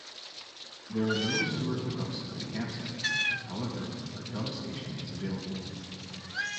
There are no sewer hookups at the campsites; however, a dump station is available.